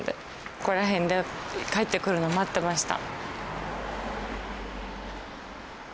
ここら辺で帰ってくるの待ってました。